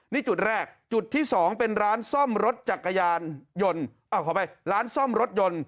นี่จุดแรกจุดที่สองเป็นร้านซ่อมรถจักรยานยนต์ขอไปร้านซ่อมรถยนต์